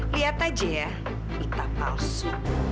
lihat aja ya ita palsu